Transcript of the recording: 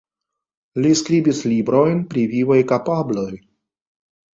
Li skribis librojn pri vivaj kapabloj.